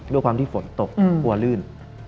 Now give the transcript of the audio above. ด้วยความที่ฝนตกกลัวลื่น